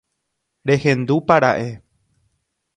Rehendúpara'e.